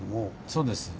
そうですか。